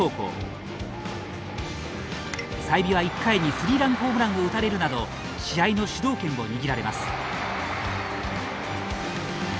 済美は１回にスリーランホームランを打たれるなど試合の主導権を握られます。